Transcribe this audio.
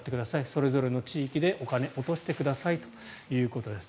それぞれの地域でお金を落としてくださいということです。